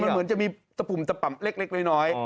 มันเหมือนจะมีตะปุ่มตะป่ำเล็กน้อย